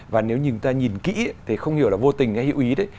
và nếu như người ta nhìn kỹ thì không hiểu là vô tình hay hữu ý đấy